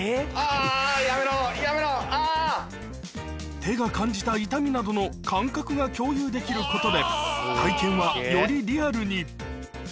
あー、やめろ、やめろ、手が感じた痛みなどの感覚が共有できることで、体験はよりリアルに。